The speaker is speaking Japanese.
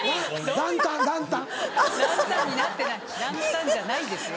ランタンじゃないですよ